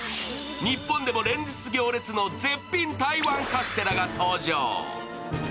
日本でも連日行列の絶品台湾カステラが登場。